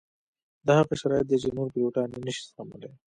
دا هغه شرایط دي چې نور پیلوټان یې نه شي زغملی